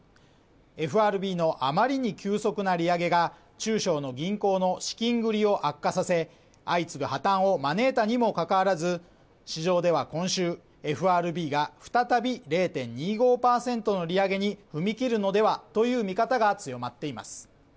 ＦＲＢのあまりに急速な利上げが中小の銀行の資金繰りを悪化させ、相次ぐ破綻を招いたにもかかわらず、市場では今週、ＦＲＢが再び０．２５％の利上げに踏み切るのではという見方が強まっています。